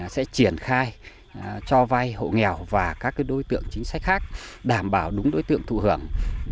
sẽ triển khai cho vay hộ nghèo và các đối tượng chính sách khác đảm bảo đúng đối tượng thụ hưởng